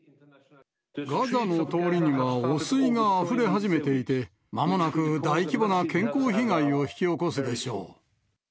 ガザの通りには汚水があふれ始めていて、まもなく大規模な健康被害を引き起こすでしょう。